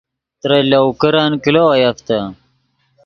ترے لَوْکرن کلو اویفتے